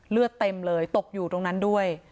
เลือดเต็มเลยตกอยู่ตรงนั้นด้วย